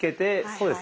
そうです。